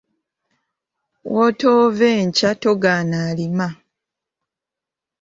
Wootoove nkya togaana alima.